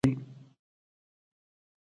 د باسمتي وریجو حاصل په کومو ولایتونو کې ښه دی؟